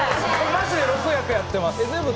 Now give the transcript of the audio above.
マジで６役やってます。